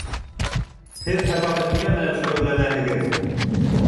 Һеҙ һәр ваҡыт нимә менән шөғөлләнәһегеҙ?